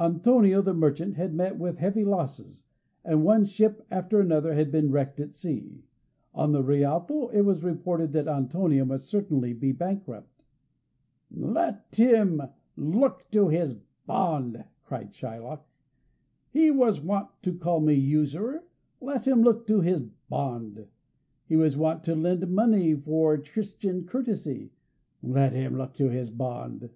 Antonio, the merchant, had met with heavy losses, and one ship after another had been wrecked at sea. On the Rialto it was reported that Antonio must certainly be bankrupt. "Let him look to his bond!" cried Shylock. "He was wont to call me usurer; let him look to his bond! He was wont to lend money for Christian courtesy; let him look to his bond!"